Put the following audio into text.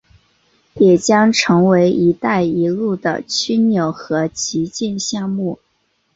也将成为一带一路的枢纽和旗舰项目。